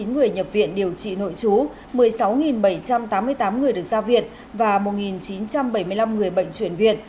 hai mươi hai một trăm bốn mươi chín người nhập viện điều trị nội trú một mươi sáu bảy trăm tám mươi tám người được ra viện và một chín trăm bảy mươi năm người bệnh chuyển viện